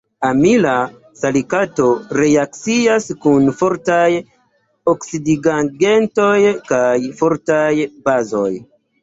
Amila salikato reakcias kun fortaj oksidigagentoj kaj fortaj bazoj.